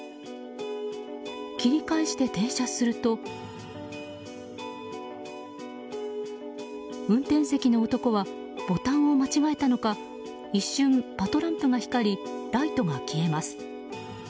切り返して停車すると運転席の男はボタンを間違えたのか一瞬、パトランプが光りライトが消えます。